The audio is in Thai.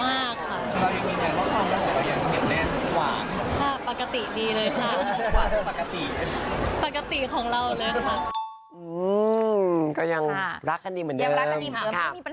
ไม่มีปัญหาอะไรกันอันนั้นเป็นเรื่องงานเฉย